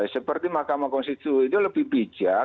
seperti mahkamah konstitusi itu lebih bijak